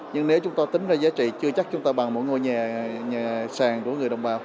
nhưng nếu chúng ta tính ra giá trị chưa chắc chúng ta bằng mỗi ngôi nhà sàn của người đồng bào